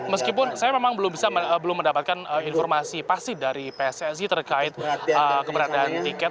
memang belum bisa mendapatkan informasi pasti dari pssi terkait keberadaan tiket